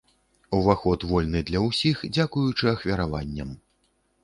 Уваход вольны для ўсіх дзякуючы ахвяраванням.